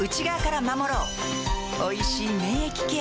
おいしい免疫ケア